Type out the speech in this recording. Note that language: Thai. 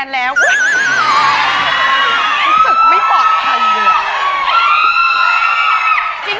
สำคัญ